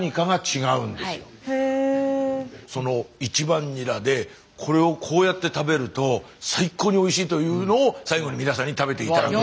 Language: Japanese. その１番ニラでこれをこうやって食べると最高においしいというのを最後に皆さんに食べて頂く。